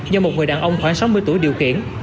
do một người đàn ông khoảng sáu mươi tuổi điều khiển